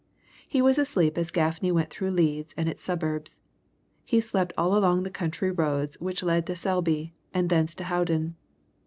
He was asleep as Gaffney went through Leeds and its suburbs; he slept all along the country roads which led to Selby and thence to Howden.